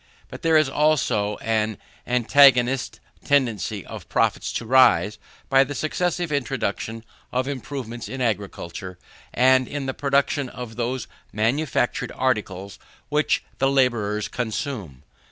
But there is also an antagonist tendency of profits to rise, by the successive introduction of improvements in agriculture, and in the production of those manufactured articles which the labourers consume.